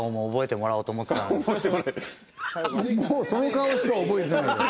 もうその顔しか覚えてないよ。